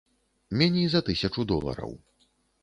Меней за тысячу долараў.